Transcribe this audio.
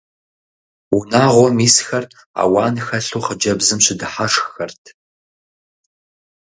Унагъуэм исхэр ауан хэлъу хъыджэбзым щыдыхьэшххэрт.